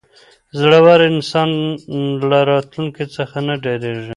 زړور انسان له راتلونکي څخه نه ډاریږي.